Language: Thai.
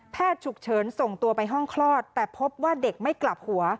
ฉุกเฉินส่งตัวไปห้องคลอดแต่พบว่าเด็กไม่กลับหัว